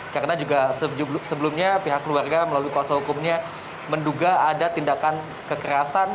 karena juga sebelumnya pihak keluarga melalui kuasa hukumnya menduga ada tindakan kekerasan